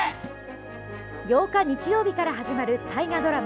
８日、日曜日から始まる大河ドラマ